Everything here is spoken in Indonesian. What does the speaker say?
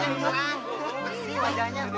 betul betul mujarab pak iri